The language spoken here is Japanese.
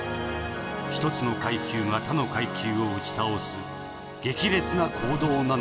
一つの階級が他の階級を打ち倒す激烈な行動なのである」。